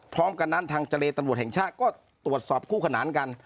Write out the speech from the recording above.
พร้อมกันนั้นทางเจรตำรวจแห่งชาติก็ตรวจสอบคู่ขนานกัน